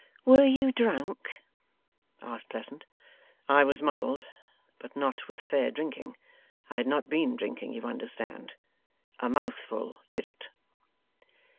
'Were you drunk?' asked Pleasant. 'I was muddled, but not with fair drinking. I had not been drinking, you understand. A mouthful did it.